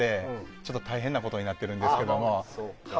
ちょっと大変なことになってるんですけども。